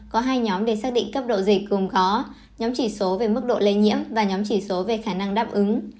có hai nhóm để xác định cấp độ dịch cùng có nhóm chỉ số về mức độ lây nhiễm và nhóm chỉ số về khả năng đáp ứng